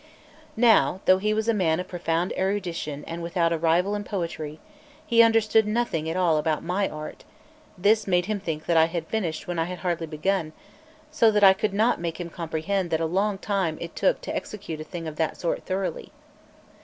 Now, though he was a man of profound erudition and without a rival in poetry, he understood nothing at all about my art; this made him think that I had finished when I had hardly begun, so that I could not make him comprehend what a long time it took to execute a thing of that sort thoroughly.